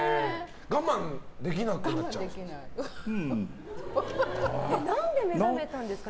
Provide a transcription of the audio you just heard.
我慢できなくなっちゃうんですか？